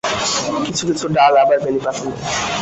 কিছু-কিছু ডাল আবার বেণী পাকানো।